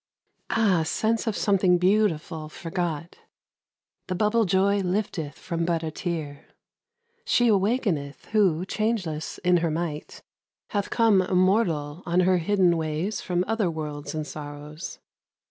Ah sense of something beautiful forgot! The bubble joy lifteth from but a tear. She awakeneth, who, changeless in her might, MUSIC. Hath come immortal on her hidden ways From other worlds and sorrows.